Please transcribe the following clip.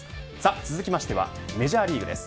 続きましてはメジャーリーグです。